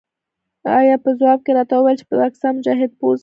تا په ځواب کې راته وویل چې د پاکستان مجاهد پوځ.